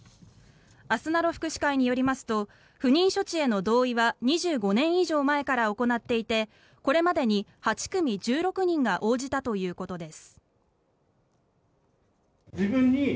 あすなろ福祉会によりますと不妊処置への同意は２５年以上前から行っていてこれまでに８組１６人が応じたということです。